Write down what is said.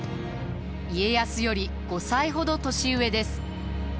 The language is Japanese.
家康より５歳ほど年上です。